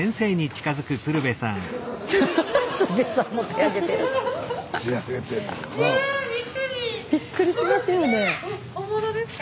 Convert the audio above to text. スタジオびっくりしますよね。